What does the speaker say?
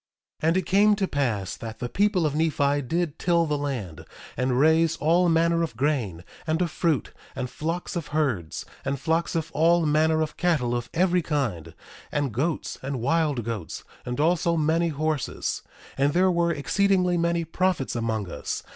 1:21 And it came to pass that the people of Nephi did till the land, and raise all manner of grain, and of fruit, and flocks of herds, and flocks of all manner of cattle of every kind, and goats, and wild goats, and also many horses. 1:22 And there were exceedingly many prophets among us.